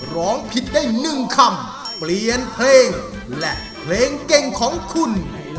ร้องผิดได้๑คำเปลี่ยนเพลงและเพลงเก่งของคุณ